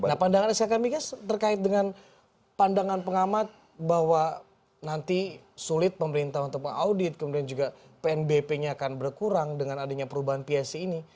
nah pandangan skk migas terkait dengan pandangan pengamat bahwa nanti sulit pemerintah untuk mengaudit kemudian juga pnbp nya akan berkurang dengan adanya perubahan psc ini